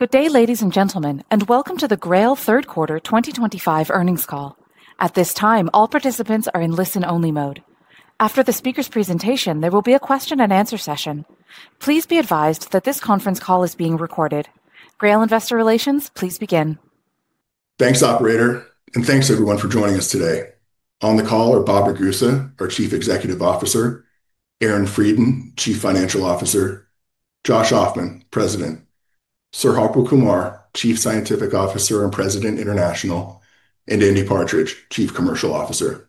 Good day, ladies and gentlemen, and welcome to the GRAIL Q3 2025 earnings call. At this time, all participants are in listen-only mode. After the speaker's presentation, there will be a question-and-answer session. Please be advised that this conference call is being recorded. GRAIL Investor Relations, please begin. Thanks, Operator, and thanks, everyone, for joining us today. On the call are Bob Ragusa, our Chief Executive Officer; Aaron Freidin, Chief Financial Officer; Josh Ofman, President; Sir Harpal Kumar, Chief Scientific Officer and President International; and Andy Partridge, Chief Commercial Officer.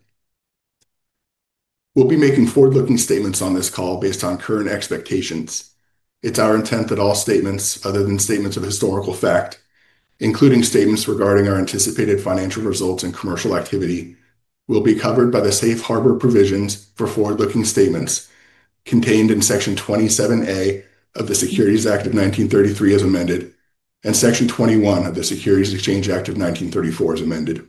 We'll be making forward-looking statements on this call based on current expectations. It's our intent that all statements other than statements of historical fact, including statements regarding our anticipated financial results and commercial activity, will be covered by the safe harbor provisions for forward-looking statements contained in Section 27A of the Securities Act of 1933, as amended, and Section 21 of the Securities Exchange Act of 1934, as amended.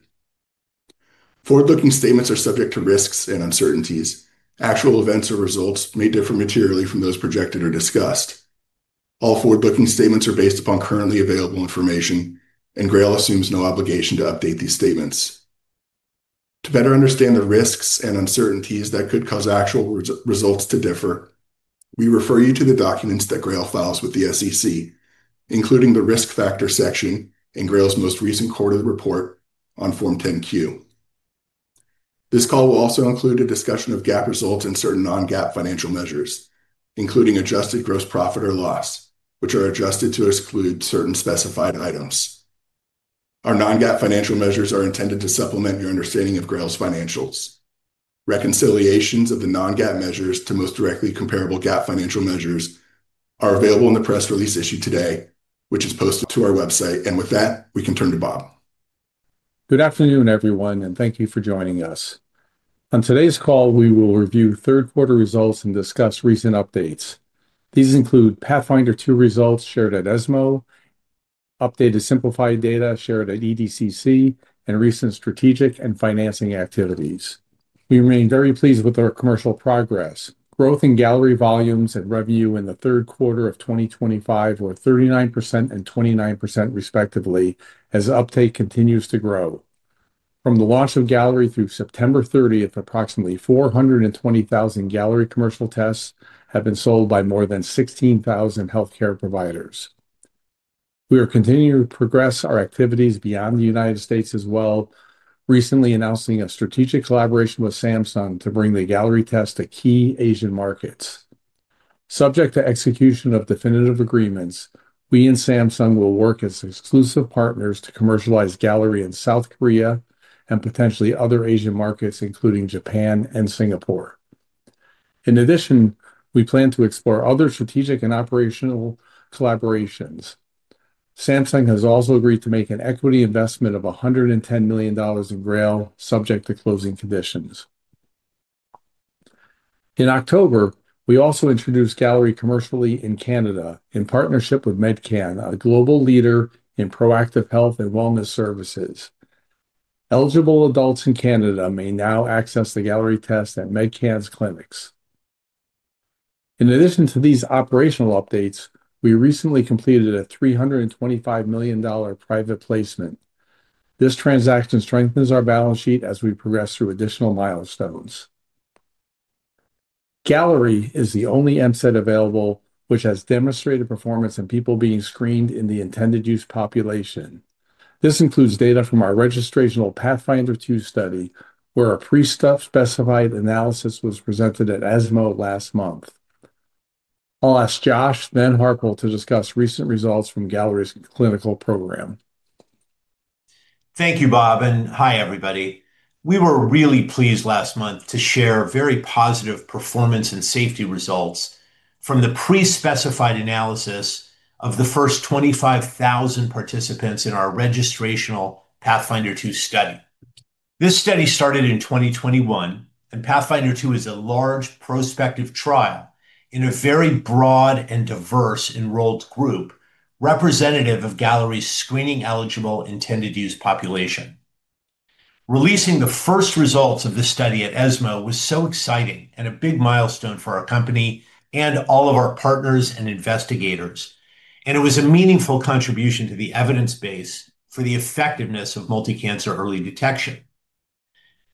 Forward-looking statements are subject to risks and uncertainties. Actual events or results may differ materially from those projected or discussed. All forward-looking statements are based upon currently available information, and GRAIL assumes no obligation to update these statements. To better understand the risks and uncertainties that could cause actual results to differ, we refer you to the documents that GRAIL files with the SEC, including the risk factor section in GRAIL's most recent quarterly report on Form 10-Q. This call will also include a discussion of GAAP results and certain non-GAAP financial measures, including adjusted gross profit or loss, which are adjusted to exclude certain specified items. Our non-GAAP financial measures are intended to supplement your understanding of GRAIL's financials. Reconciliations of the non-GAAP measures to most directly comparable GAAP financial measures are available in the press release issued today, which is posted to our website. With that, we can turn to Bob. Good afternoon, everyone, and thank you for joining us. On today's call, we will review Q3 results and discuss recent updates. These include Pathfinder II results shared at ESMO, updated SYMPLIFY data shared at EDCC, and recent strategic and financing activities. We remain very pleased with our commercial progress. Growth in Galleri volumes and revenue in Q3 of 2025 were 39% and 29%, respectively, as uptake continues to grow. From the launch of Galleri through September 30, approximately 420,000 Galleri commercial tests have been sold by more than 16,000 healthcare providers. We are continuing to progress our activities beyond the United States as well, recently announcing a strategic collaboration with Samsung to bring the Galleri test to key Asian markets. Subject to execution of definitive agreements, we and Samsung will work as exclusive partners to commercialize Galleri in South Korea and potentially other Asian markets, including Japan and Singapore. In addition, we plan to explore other strategic and operational collaborations. Samsung has also agreed to make an equity investment of $110 million in GRAIL, subject to closing conditions. In October, we also introduced Galleri commercially in Canada in partnership with MedCan, a global leader in proactive health and wellness services. Eligible adults in Canada may now access the Galleri test at MedCan's clinics. In addition to these operational updates, we recently completed a $325 million private placement. This transaction strengthens our balance sheet as we progress through additional milestones. Galleri is the only MCED available which has demonstrated performance in people being screened in the intended-use population. This includes data from our registrational Pathfinder II study, where a pre-specified analysis was presented at ESMO last month. I'll ask Josh, then Harpal, to discuss recent results from Galleri's clinical program. Thank you, Bob, and hi, everybody. We were really pleased last month to share very positive performance and safety results from the pre-specified analysis of the first 25,000 participants in our registrational Pathfinder II study. This study started in 2021, and Pathfinder II is a large prospective trial in a very broad and diverse enrolled group representative of Galleri's screening-eligible intended-use population. Releasing the first results of this study at ESMO was so exciting and a big milestone for our company and all of our partners and investigators, and it was a meaningful contribution to the evidence base for the effectiveness of multi-cancer early detection.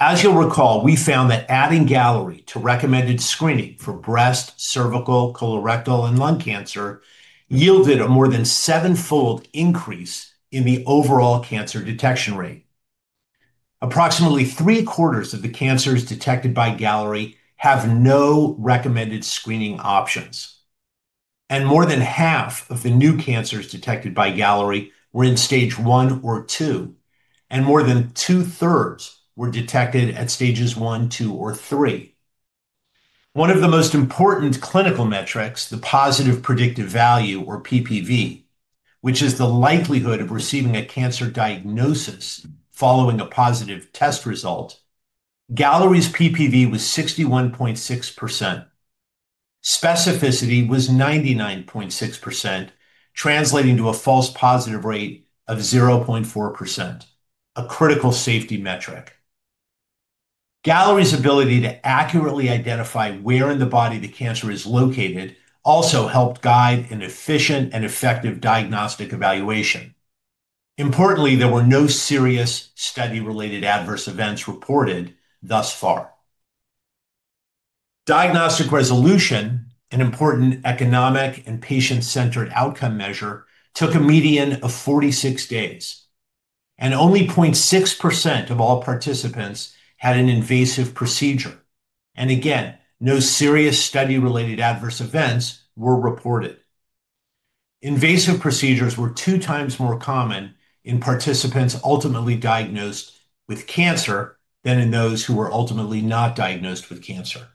As you'll recall, we found that adding Galleri to recommended screening for breast, cervical, colorectal, and lung cancer yielded a more than seven-fold increase in the overall cancer detection rate. Approximately three-quarters of the cancers detected by Galleri have no recommended screening options, and more than half of the new cancers detected by Galleri were in stage one or two, and more than two-thirds were detected at stages one, two, or three. One of the most important clinical metrics, the positive predictive value, or PPV, which is the likelihood of receiving a cancer diagnosis following a positive test result, Galleri's PPV was 61.6%. Specificity was 99.6%, translating to a false positive rate of 0.4%, a critical safety metric. Galleri's ability to accurately identify where in the body the cancer is located also helped guide an efficient and effective diagnostic evaluation. Importantly, there were no serious study-related adverse events reported thus far. Diagnostic resolution, an important economic and patient-centered outcome measure, took a median of 46 days, and only 0.6% of all participants had an invasive procedure. No serious study-related adverse events were reported. Invasive procedures were two times more common in participants ultimately diagnosed with cancer than in those who were ultimately not diagnosed with cancer.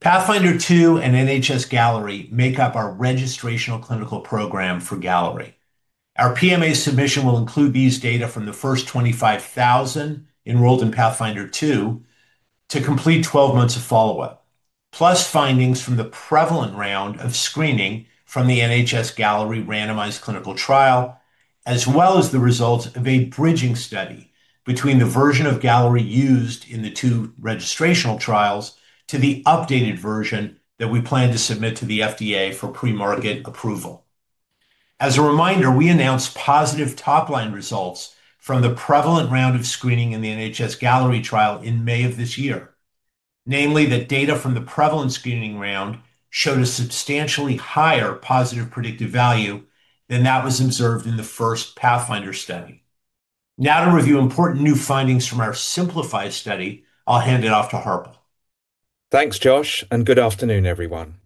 Pathfinder II and NHS-Galleri make up our registrational clinical program for Galleri. Our PMA submission will include these data from the first 25,000 enrolled in Pathfinder II to complete 12 months of follow-up, plus findings from the prevalent round of screening from the NHS-Galleri randomized clinical trial, as well as the results of a bridging study between the version of Galleri used in the two registrational trials to the updated version that we plan to submit to the FDA for pre-market approval. As a reminder, we announced positive top-line results from the prevalent round of screening in the NHS-Galleri trial in May of this year, namely that data from the prevalent screening round showed a substantially higher positive predictive value than that was observed in the first Pathfinder study. Now, to review important new findings from our SYMPLIFY study, I'll hand it off to Harpal. Thanks, Josh, and good afternoon, everyone.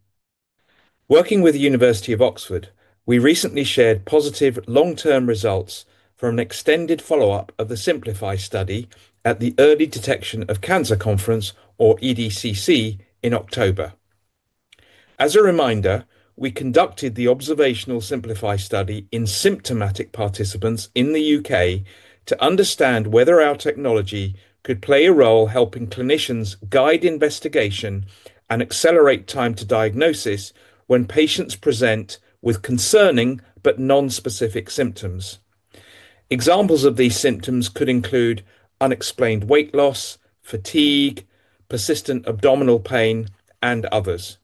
Working with the University of Oxford, we recently shared positive long-term results from an extended follow-up of the SYMPLIFY study at the Early Detection of Cancer Conference, or EDCC, in October. As a reminder, we conducted the observational SYMPLIFY study in symptomatic participants in the U.K. to understand whether our technology could play a role helping clinicians guide investigation and accelerate time to diagnosis when patients present with concerning but non-specific symptoms. Examples of these symptoms could include unexplained weight loss, fatigue, persistent abdominal pain, and others.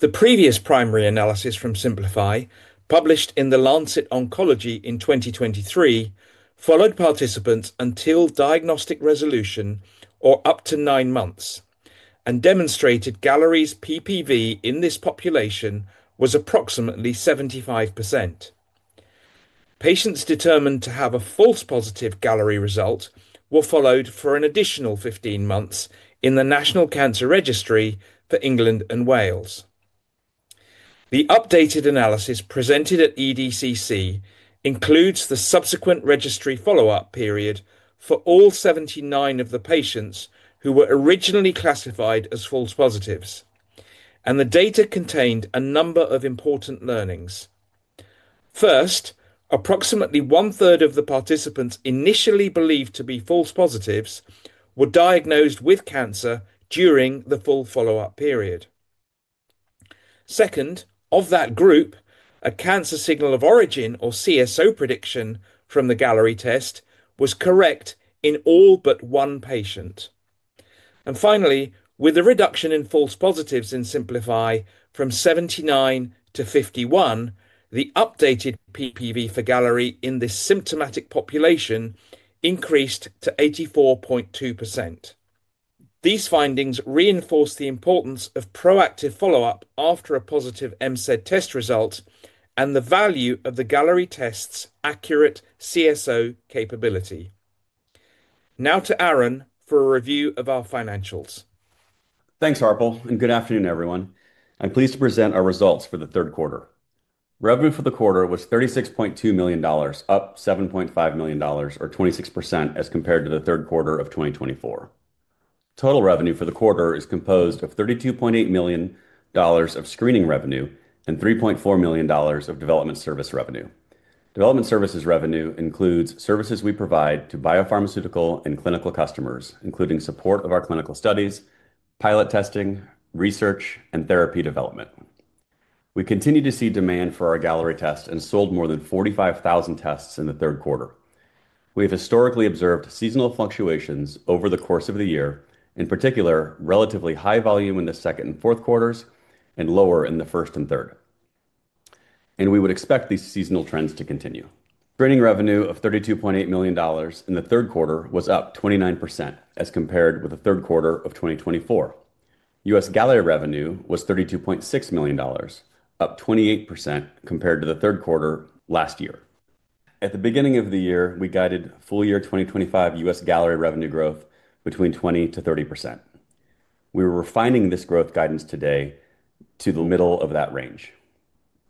The previous primary analysis from SYMPLIFY, published in The Lancet Oncology in 2023, followed participants until diagnostic resolution or up to nine months and demonstrated Galleri's PPV in this population was approximately 75%. Patients determined to have a false positive Galleri result were followed for an additional 15 months in the National Cancer Registry for England and Wales. The updated analysis presented at EDCC includes the subsequent registry follow-up period for all 79 of the patients who were originally classified as false positives, and the data contained a number of important learnings. First, approximately one-third of the participants initially believed to be false positives were diagnosed with cancer during the full follow-up period. Second, of that group, a cancer signal of origin, or CSO prediction, from the Galleri test was correct in all but one patient. Finally, with a reduction in false positives in SYMPLIFY from 79 to 51, the updated PPV for Galleri in this symptomatic population increased to 84.2%. These findings reinforce the importance of proactive follow-up after a positive MCED test result and the value of the Galleri test's accurate CSO capability. Now to Aaron for a review of our financials. Thanks, Harpal, and good afternoon, everyone. I'm pleased to present our results for Q3. Revenue for Q4 was $36.2 million, up $7.5 million, or 26%, as compared to Q3 of 2024. Total revenue for Q4 is composed of $32.8 million of screening revenue and $3.4 million of development service revenue. Development services revenue includes services we provide to biopharmaceutical and clinical customers, including support of our clinical studies, pilot testing, research, and therapy development. We continue to see demand for our Galleri test and sold more than 45,000 tests in Q4. We have historically observed seasonal fluctuations over the course of the year, in particular, relatively high volume in the second and fourth quarters and lower in the first and third. We would expect these seasonal trends to continue. Screening revenue of $32.8 million in Q4 was up 29%, as compared with Q4 of 2024. U.S. Galleri revenue was $32.6 million, up 28%, compared to Q4 last year. At the beginning of the year, we guided full year 2025 U.S. Galleri revenue growth between 20%-30%. We are refining this growth guidance today to the middle of that range.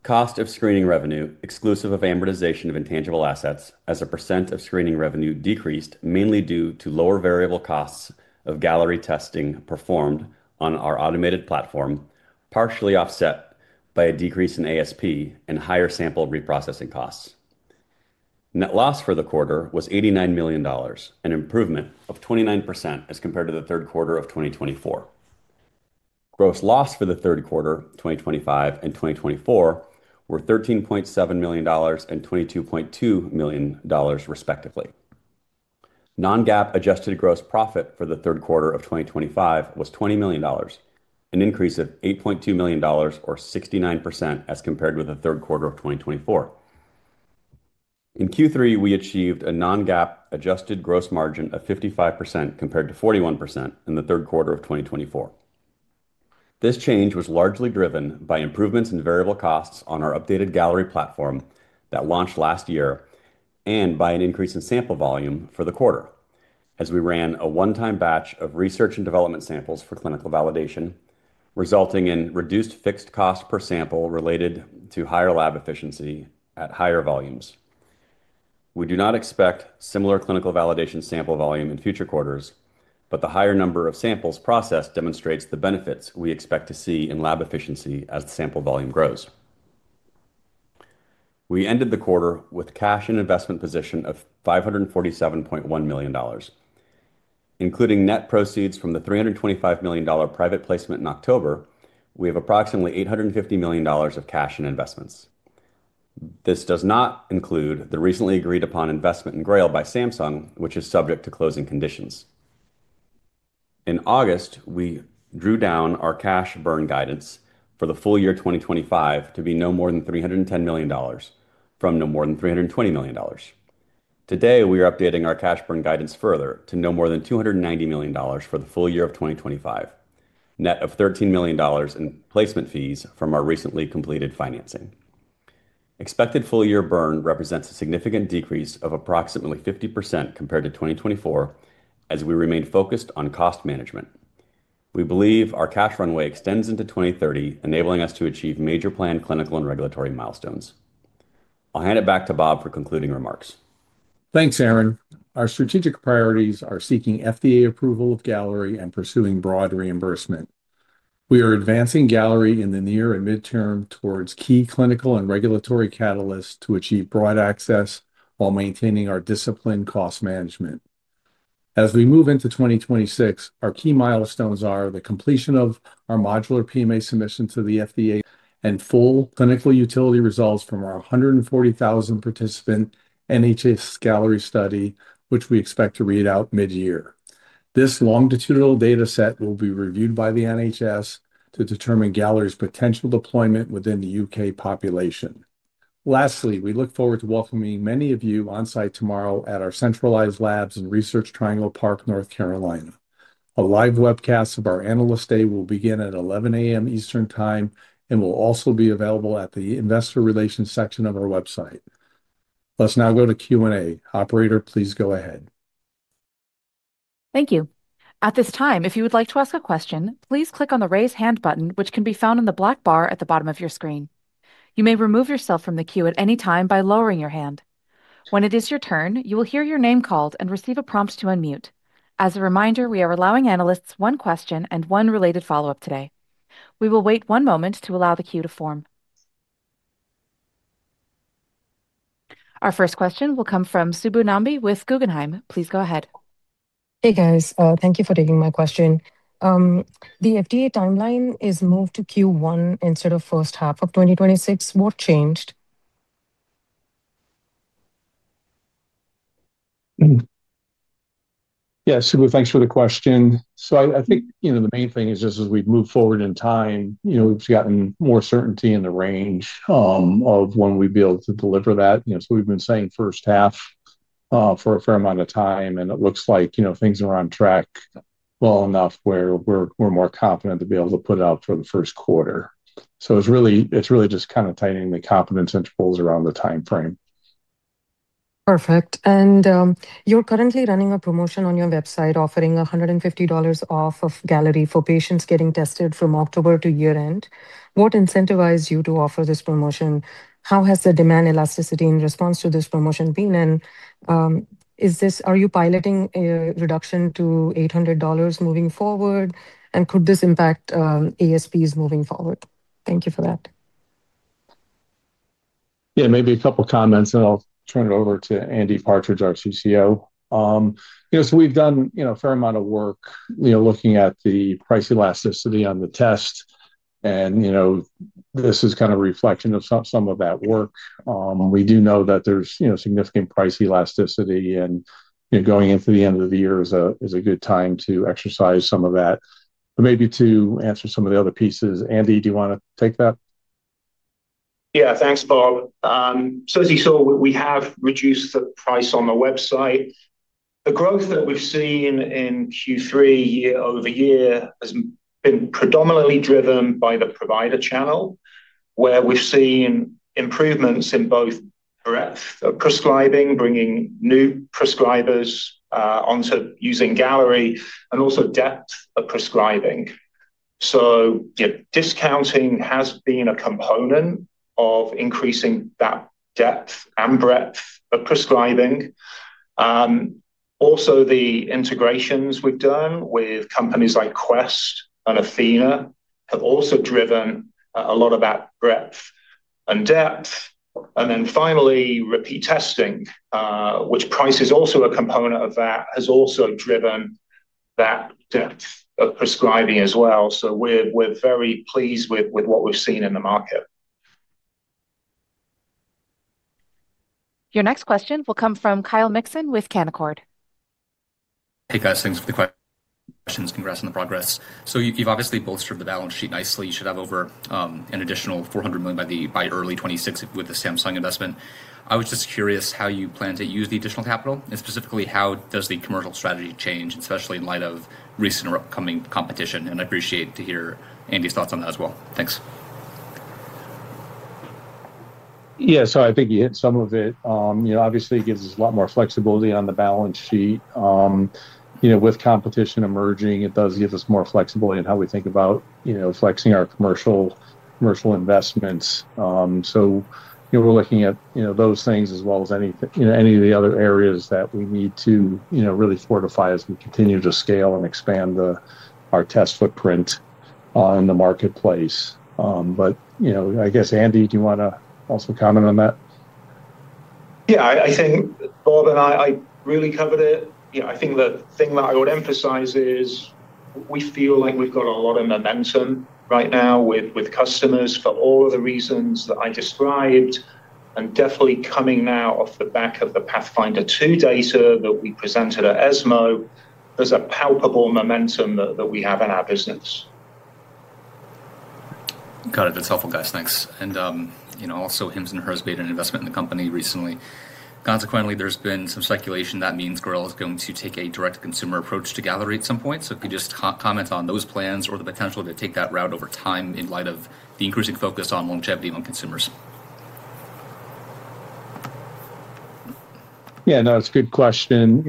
Cost of screening revenue, exclusive of amortization of intangible assets, as a percent of screening revenue, decreased mainly due to lower variable costs of Galleri testing performed on our automated platform, partially offset by a decrease in ASP and higher sample reprocessing costs. Net loss for Q4 was $89 million, an improvement of 29%, as compared to Q3 of 2024. Gross loss for Q3 2025 and 2024 were $13.7 million and $22.2 million, respectively. Non-GAAP adjusted gross profit for Q3 of 2025 was $20 million, an increase of $8.2 million, or 69%, as compared with Q3 of 2024. In Q3, we achieved a non-GAAP adjusted gross margin of 55%, compared to 41% in Q3 of 2024. This change was largely driven by improvements in variable costs on our updated Galleri platform that launched last year and by an increase in sample volume for Q4, as we ran a one-time batch of research and development samples for clinical validation, resulting in reduced fixed cost per sample related to higher lab efficiency at higher volumes. We do not expect similar clinical validation sample volume in future quarters, but the higher number of samples processed demonstrates the benefits we expect to see in lab efficiency as the sample volume grows. We ended the quarter with cash and investment position of $547.1 million. Including net proceeds from the $325 million private placement in October, we have approximately $850 million of cash and investments. This does not include the recently agreed-upon investment in GRAIL by Samsung, which is subject to closing conditions. In August, we drew down our cash burn guidance for full year 2025 to be no more than $310 million from no more than $320 million. Today, we are updating our cash burn guidance further to no more than $290 million for full year of 2025, net of $13 million in placement fees from our recently completed financing. Expected full year burn represents a significant decrease of approximately 50% compared to 2024, as we remain focused on cost management. We believe our cash runway extends into 2030, enabling us to achieve major planned clinical and regulatory milestones. I'll hand it back to Bob for concluding remarks. Thanks, Aaron. Our strategic priorities are seeking FDA approval of Galleri and pursuing broad reimbursement. We are advancing Galleri in the near and midterm towards key clinical and regulatory catalysts to achieve broad access while maintaining our disciplined cost management. As we move into 2026, our key milestones are the completion of our modular PMA submission to the FDA and full clinical utility results from our 140,000-participant NHS-Galleri study, which we expect to read out mid-year. This longitudinal data set will be reviewed by the NHS to determine Galleri's potential deployment within the U.K. population. Lastly, we look forward to welcoming many of you onsite tomorrow at our centralized labs in Research Triangle Park, North Carolina. A live webcast of our analyst day will begin at 11:00 A.M. Eastern Time and will also be available at the investor relations section of our website. Let's now go to Q&A.Operator, please go ahead. Thank you. At this time, if you would like to ask a question, please click on the raise hand button, which can be found in the black bar at the bottom of your screen. You may remove yourself from the queue at any time by lowering your hand. When it is your turn, you will hear your name called and receive a prompt to unmute. As a reminder, we are allowing analysts one question and one related follow-up today. We will wait one moment to allow the queue to form. Our first question will come from Subbu Nambi with Guggenheim. Please go ahead. Hey, guys. Thank you for taking my question. The FDA timeline is moved to Q1 instead of first half of 2026. What changed? Yeah, Subbu, thanks for the question. I think the main thing is, as we move forward in time, we've gotten more certainty in the range of when we'd be able to deliver that. We've been saying first half for a fair amount of time, and it looks like things are on track well enough where we're more confident to be able to put it out for the first quarter. It's really just kind of tightening the confidence intervals around the timeframe. Perfect. You're currently running a promotion on your website offering $150 off of Galleri for patients getting tested from October to year-end. What incentivized you to offer this promotion? How has the demand elasticity in response to this promotion been? Are you piloting a reduction to $800 moving forward? Could this impact ASPs moving forward? Thank you for that. Yeah, maybe a couple of comments, and I'll turn it over to Andy Partridge, our CCO. So we've done a fair amount of work looking at the price elasticity on the test. And this is kind of a reflection of some of that work. We do know that there's significant price elasticity, and going into the end of the year is a good time to exercise some of that. Maybe to answer some of the other pieces, Andy, do you want to take that? Yeah, thanks, Bob. As you saw, we have reduced the price on the website. The growth that we've seen in Q3 year-over-year has been predominantly driven by the provider channel, where we've seen improvements in both breadth of prescribing, bringing new prescribers onto using Galleri, and also depth of prescribing. Discounting has been a component of increasing that depth and breadth of prescribing. Also, the integrations we've done with companies like Quest and Athenahealth have also driven a lot of that breadth and depth. Finally, repeat testing, which price is also a component of that, has also driven that depth of prescribing as well. We're very pleased with what we've seen in the market. Your next question will come from Kyle Mixon with Canaccord. Hey, guys. Thanks for the questions. Congrats on the progress. You have obviously bolstered the balance sheet nicely. You should have over an additional $400 million by early 2026 with the Samsung investment. I was just curious how you plan to use the additional capital, and specifically, how does the commercial strategy change, especially in light of recent or upcoming competition? I would appreciate to hear Andy's thoughts on that as well. Thanks. Yeah, so I think you hit some of it. Obviously, it gives us a lot more flexibility on the balance sheet. With competition emerging, it does give us more flexibility in how we think about flexing our commercial investments. We are looking at those things as well as any of the other areas that we need to really fortify as we continue to scale and expand our test footprint in the marketplace. I guess, Andy, do you want to also comment on that? Yeah, I think, Bob, and I really covered it. I think the thing that I would emphasize is we feel like we've got a lot of momentum right now with customers for all of the reasons that I described, and definitely coming now off the back of the Pathfinder II data that we presented at ESMO, there's a palpable momentum that we have in our business. Got it. That's helpful, guys. Thanks. Also, him and her has made an investment in the company recently. Consequently, there's been some speculation that means GRAIL is going to take a direct-to-consumer approach to Galleri at some point. Could you just comment on those plans or the potential to take that route over time in light of the increasing focus on longevity among consumers? Yeah, no, it's a good question.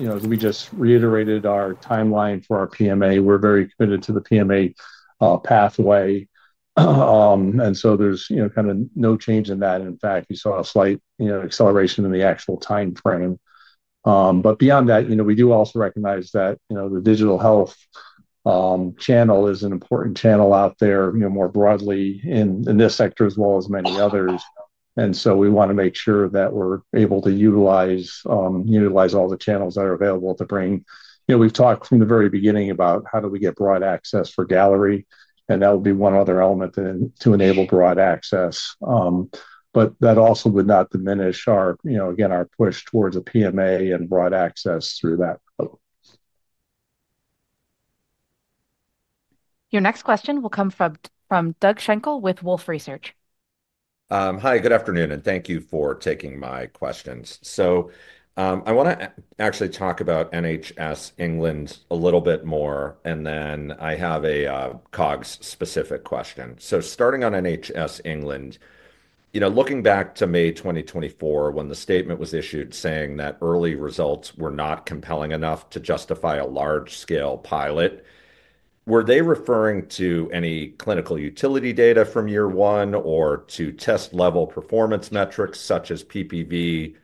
As we just reiterated our timeline for our PMA, we're very committed to the PMA pathway. There's kind of no change in that. In fact, you saw a slight acceleration in the actual timeframe. Beyond that, we do also recognize that the digital health channel is an important channel out there more broadly in this sector as well as many others. We want to make sure that we're able to utilize all the channels that are available to bring, we've talked from the very beginning about how do we get broad access for Galleri, and that would be one other element to enable broad access. That also would not diminish, again, our push towards a PMA and broad access through that. Your next question will come from Doug Schenkel with Wolfe Research. Hi, good afternoon, and thank you for taking my questions. I want to actually talk about NHS England a little bit more, and then I have a COGS-specific question. Starting on NHS England, looking back to May 2024, when the statement was issued saying that early results were not compelling enough to justify a large-scale pilot, were they referring to any clinical utility data from year one or to test-level performance metrics such as PPV,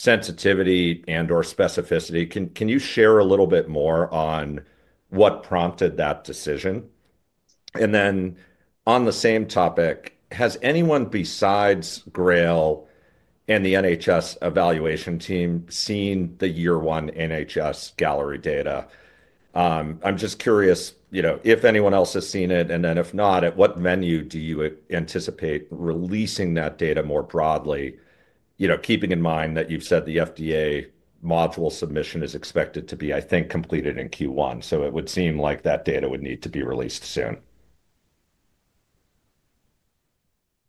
sensitivity, and/or specificity? Can you share a little bit more on what prompted that decision? On the same topic, has anyone besides GRAIL and the NHS evaluation team seen the year-one NHS Galleri data? I'm just curious if anyone else has seen it, and then if not, at what venue do you anticipate releasing that data more broadly, keeping in mind that you've said the FDA module submission is expected to be, I think, completed in Q1? It would seem like that data would need to be released soon.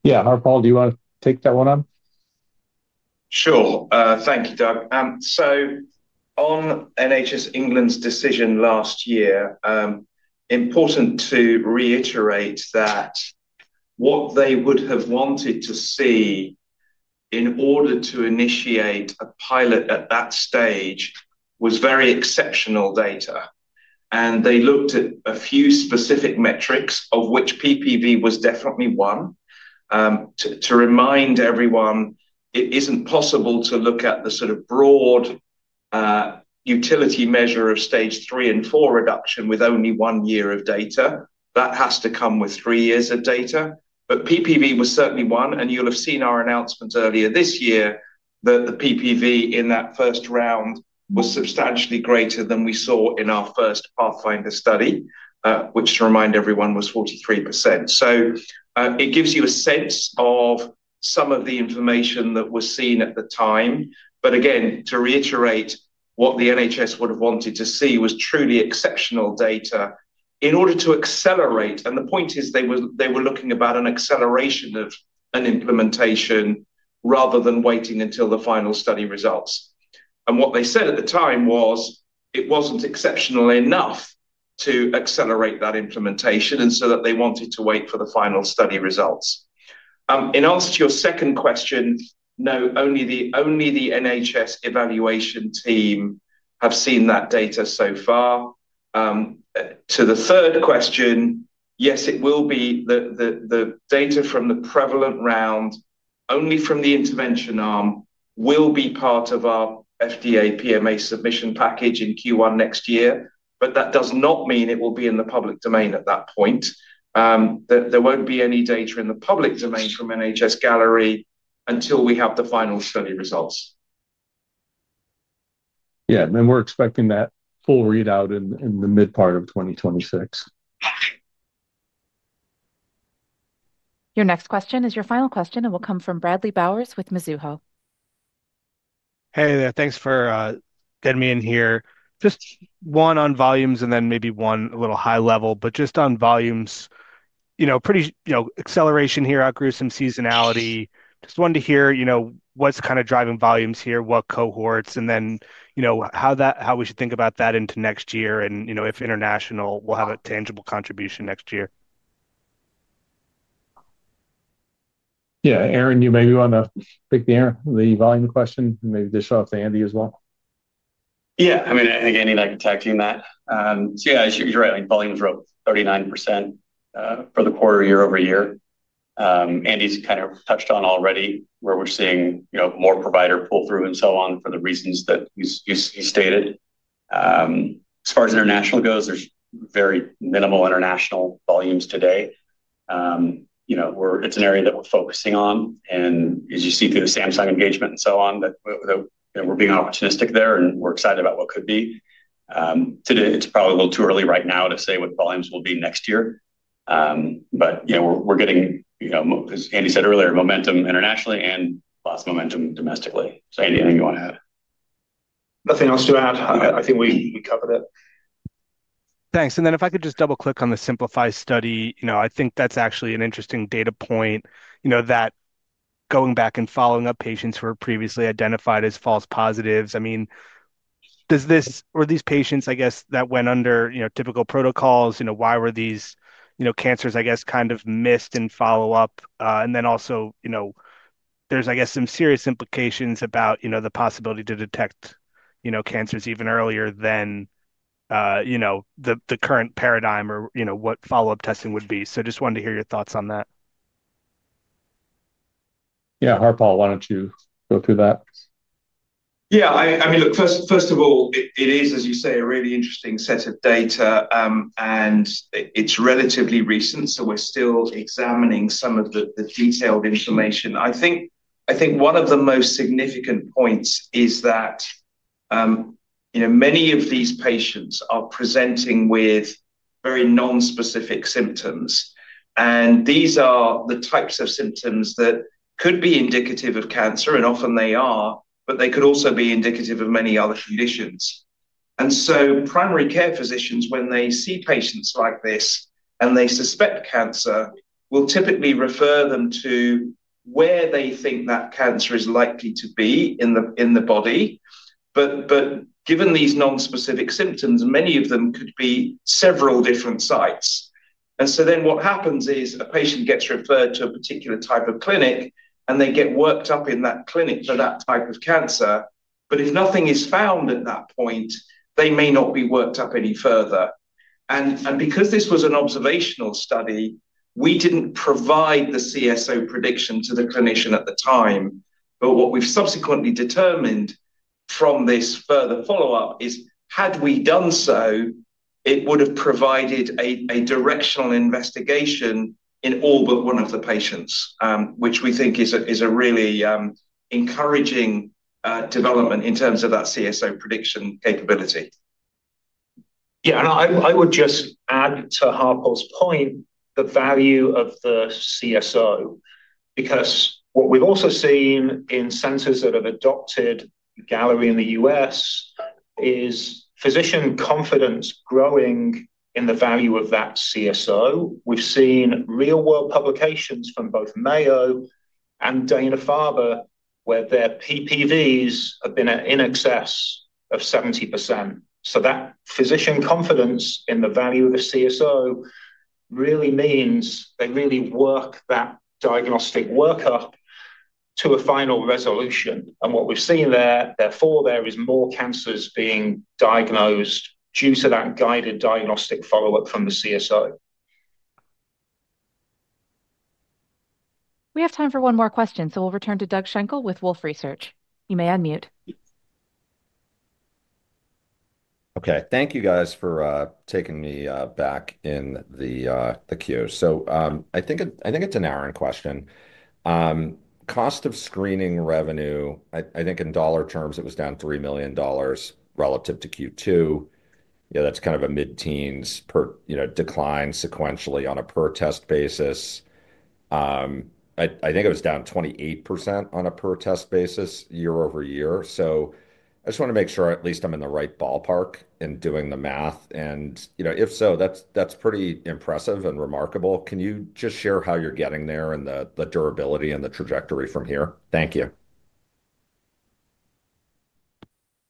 Yeah, Harpal, do you want to take that one up? Sure. Thank you, Doug. On NHS England's decision last year, important to reiterate that what they would have wanted to see in order to initiate a pilot at that stage was very exceptional data. They looked at a few specific metrics, of which PPV was definitely one. To remind everyone, it is not possible to look at the sort of broad utility measure of stage three and four reduction with only one year of data. That has to come with three years of data. PPV was certainly one, and you will have seen our announcements earlier this year that the PPV in that first round was substantially greater than we saw in our first Pathfinder study, which, to remind everyone, was 43%. It gives you a sense of some of the information that was seen at the time. To reiterate, what the NHS would have wanted to see was truly exceptional data in order to accelerate. The point is they were looking at an acceleration of an implementation rather than waiting until the final study results. What they said at the time was it was not exceptional enough to accelerate that implementation, so they wanted to wait for the final study results. In answer to your second question, no, only the NHS evaluation team have seen that data so far. To the third question, yes, it will be the data from the prevalent round, only from the intervention arm, that will be part of our FDA PMA submission package in Q1 next year. That does not mean it will be in the public domain at that point. There won't be any data in the public domain from NHS-Galleri until we have the final study results. Yeah, and we're expecting that full readout in the mid-part of 2026. Your next question is your final question, and will come from Bradley Bowers with Mizuho. Hey, thanks for getting me in here. Just one on volumes and then maybe one a little high level. Just on volumes, acceleration here, outgrew some seasonality. Just wanted to hear what's kind of driving volumes here, what cohorts, and then how we should think about that into next year. And if international, we'll have a tangible contribution next year. Yeah, Aaron, you maybe want to take the volume question and maybe dish off to Andy as well. Yeah, I mean, I think Andy and I can tattoo that. Yeah, you're right. Volumes were up 39% for the quarter year-over-year. Andy's kind of touched on already where we're seeing more provider pull through and so on for the reasons that you stated. As far as international goes, there's very minimal international volumes today. It's an area that we're focusing on. As you see through the Samsung engagement and so on, we're being opportunistic there, and we're excited about what could be. It's probably a little too early right now to say what volumes will be next year. We're getting, as Andy said earlier, momentum internationally and lots of momentum domestically. Andy, anything you want to add? Nothing else to add. I think we covered it. Thanks. If I could just double-click on the SYMPLIFY study, I think that's actually an interesting data point that going back and following up patients who were previously identified as false positives. I mean, were these patients, I guess, that went under typical protocols? Why were these cancers, I guess, kind of missed in follow-up? There are, I guess, some serious implications about the possibility to detect cancers even earlier than the current paradigm or what follow-up testing would be. I just wanted to hear your thoughts on that. Yeah, Harpal, why don't you go through that? Yeah. I mean, look, first of all, it is, as you say, a really interesting set of data, and it's relatively recent, so we're still examining some of the detailed information. I think one of the most significant points is that many of these patients are presenting with very nonspecific symptoms. These are the types of symptoms that could be indicative of cancer, and often they are, but they could also be indicative of many other conditions. Primary care physicians, when they see patients like this and they suspect cancer, will typically refer them to where they think that cancer is likely to be in the body. Given these nonspecific symptoms, many of them could be several different sites. What happens is a patient gets referred to a particular type of clinic, and they get worked up in that clinic for that type of cancer. If nothing is found at that point, they may not be worked up any further. Because this was an observational study, we did not provide the CSO prediction to the clinician at the time. What we have subsequently determined from this further follow-up is, had we done so, it would have provided a directional investigation in all but one of the patients, which we think is a really encouraging development in terms of that CSO prediction capability. I would just add to Harpal's point the value of the CSO because what we have also seen in centers that have adopted Galleri in the U.S. is physician confidence growing in the value of that CSO. We've seen real-world publications from both Mayo and Dana-Farber where their PPVs have been in excess of 70%. That physician confidence in the value of the CSO really means they really work that diagnostic workup to a final resolution. What we've seen there, therefore, is more cancers being diagnosed due to that guided diagnostic follow-up from the CSO. We have time for one more question, so we'll return to Doug Schenkel with Wolfe Research. You may unmute. Okay. Thank you, guys, for taking me back in the queue. I think it's an Aaron question. Cost of screening revenue, I think in dollar terms, it was down $3 million relative to Q2. That's kind of a mid-teens decline sequentially on a per-test basis. I think it was down 28% on a per-test basis year-over-year. I just want to make sure at least I'm in the right ballpark in doing the math. If so, that's pretty impressive and remarkable. Can you just share how you're getting there and the durability and the trajectory from here? Thank you.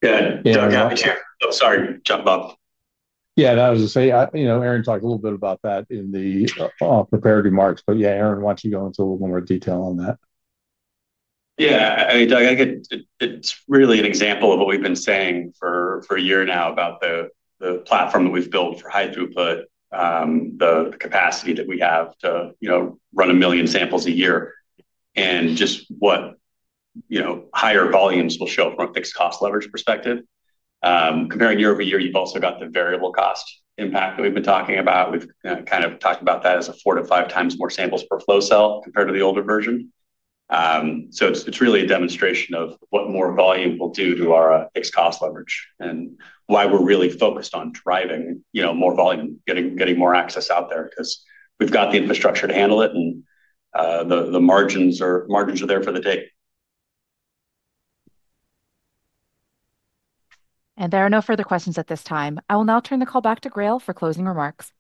Good. I'm sorry to jump up. Yeah, and I was going to say Aaron talked a little bit about that in the preparatory marks. Yeah, Aaron, why don't you go into a little more detail on that? Yeah. I mean, Doug, I think it's really an example of what we've been saying for a year now about the platform that we've built for high throughput, the capacity that we have to run a million samples a year, and just what higher volumes will show from a fixed cost leverage perspective. Comparing year-over-year, you've also got the variable cost impact that we've been talking about. We've kind of talked about that as a four- to five-times more samples per flow cell compared to the older version. It is really a demonstration of what more volume will do to our fixed cost leverage and why we're really focused on driving more volume, getting more access out there because we've got the infrastructure to handle it, and the margins are there for the take. There are no further questions at this time. I will now turn the call back to GRAIL for closing remarks.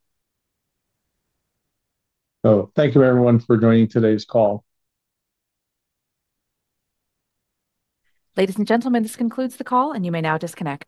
Thank you, everyone, for joining today's call. Ladies and gentlemen, this concludes the call, and you may now disconnect.